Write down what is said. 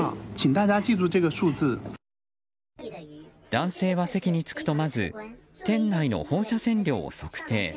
男性は席に着くとまず、店内の放射線量を測定。